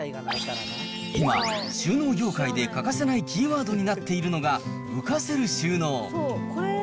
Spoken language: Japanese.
今、収納業界で欠かせないキーワードになっているのが、浮かせる収納。